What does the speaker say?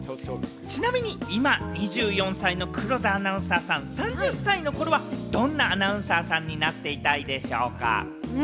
ちなみに今２４歳の黒田アナウンサーさん、３０歳の頃はどんなアナウンサーさんになっていたいでしょうか？